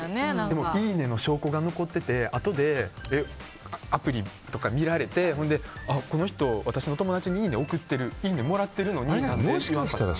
でもいいねの証拠が残っててあとでアプリとか見られてこの人、私の友達にいいね送ってるいいねもらってるのにって分かったら。